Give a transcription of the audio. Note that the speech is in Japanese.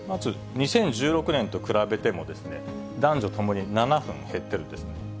まず２０１６年と比べても、男女ともに７分減ってるんです。